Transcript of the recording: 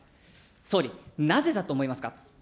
総理、なぜだと思いますか。